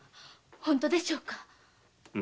本当でしょうか？